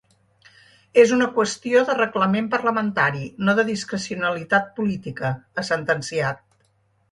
És una qüestió de reglament parlamentari, no de discrecionalitat política, ha sentenciat.